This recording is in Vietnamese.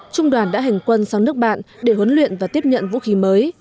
trung đoàn đã hành quân sang nước bạn để huấn luyện và tiếp nhận vũ khí mới